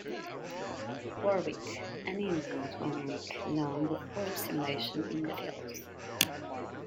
War Week: An intense one-week-long war simulation in the field.